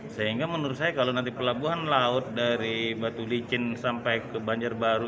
sehingga menurut saya kalau nanti pelabuhan laut dari batu licin sampai ke banjarbaru